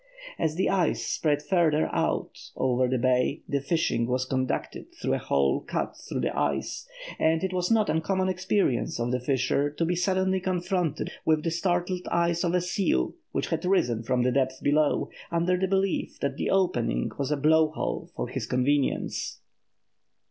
As the ice spread farther out over the bay the fishing was conducted through a hole cut through the ice, and it was no uncommon experience of the fisher to be suddenly confronted with the startled eyes of a seal which had risen from the depth below, under the belief that the opening was a blow hole for his convenience.